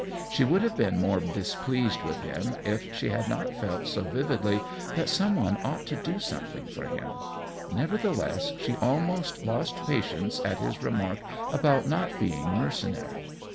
She would have been more displeased with him if she had not felt so vividly that some one ought to do something for him ; never theless she almost lost patience at his remark about not being mercenary.